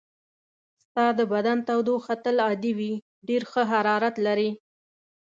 ستا د بدن تودوخه تل عادي وي، ډېر ښه حرارت لرې.